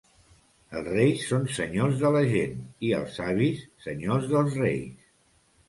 Els reis són senyors de la gent, i els savis, senyors dels reis.